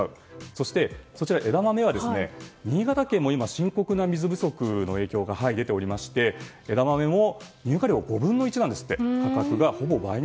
そして、枝豆は新潟県も今、深刻な水不足の影響が出ておりまして、枝豆も入荷量５分の１なんですって。